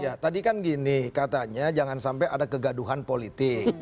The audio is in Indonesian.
jadi kan gini katanya jangan sampai ada kegaduhan politik